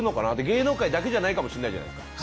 芸能界だけじゃないかもしれないじゃないすか。